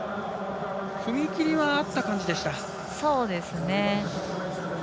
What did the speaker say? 踏み切りは合った感じでした。